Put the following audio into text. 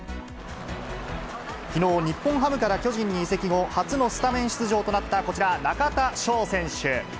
きのう、日本ハムから巨人に移籍後、初のスタメン出場となったこちら、中田翔選手。